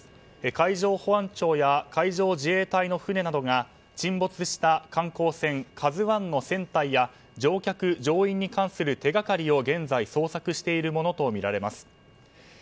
海上保安庁や海上自衛隊の船などが沈没した観光船「ＫＡＺＵ１」の船体や乗客・乗員に関する手がかりを現在捜索しているものとみられます。